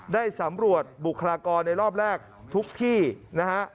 ได้สำรวจบุคลากรในรอบแรกทุกที่นะฮะ